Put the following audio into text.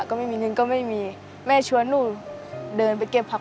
การเล่นการพนันนะครับ